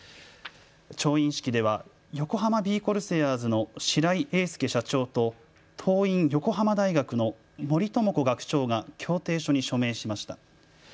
調印式では横浜ビー・コルセアーズの白井英介社長と桐蔭横浜大学の森朋子学長が協定書に署名しました。